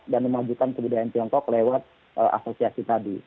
dan memajukan kebudayaan tiongkok lewat asosiasi tadi